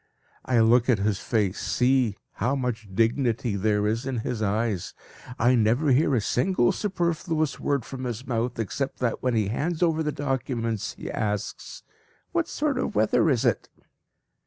I look at his face; see! how much dignity there is in his eyes. I never hear a single superfluous word from his mouth, except that when he hands over the documents, he asks "What sort of weather is it?"